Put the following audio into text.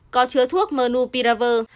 có chứa thuốc monopiravir